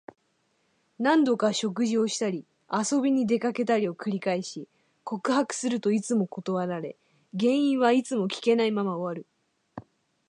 何度か食事をしたり、遊びに出かけたりを繰り返し、告白するといつも断られ、原因はいつも聞けないまま終わる。